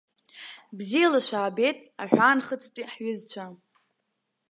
Бзиала шәаабеит аҳәаанхыҵтәи ҳҩызцәа.